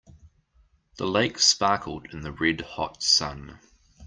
The lake sparkled in the red hot sun.